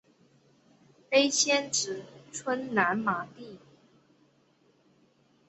碑迁址村南马地。